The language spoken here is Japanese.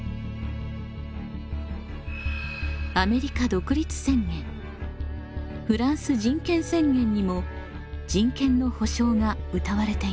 アメリカ独立宣言フランス人権宣言にも人権の保障がうたわれています。